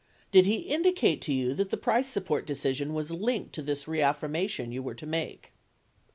Did he indicate to you that the price support decision was linked to this reaffirmation you were to make?